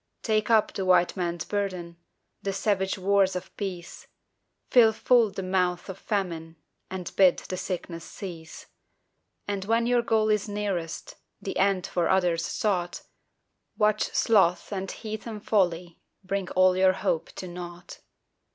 Take up the White Man's burden The savage wars of peace Fill full the mouth of Famine And bid the sickness cease; And when your goal is nearest The end for others sought, Watch Sloth and heathen Folly Bring all your hope to naught.